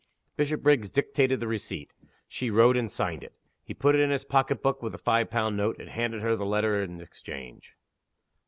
Bishopriggs dictated the receipt. She wrote and signed it. He put it in his pocket book with the five pound note, and handed her the letter in exchange.